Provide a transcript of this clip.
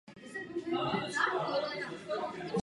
Pak se dostala do školy zkušebních pilotů.